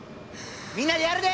みんなでやるで！